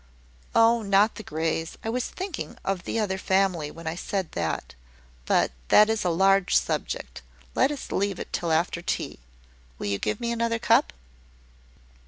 "Oh, not the Greys! I was thinking of the other family when I said that. But that is a large subject: let us leave it till after tea. Will you give me another cup?"